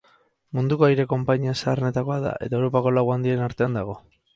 Munduko aire-konpainia zaharrenetakoa da, eta Europako lau handienen artean dago.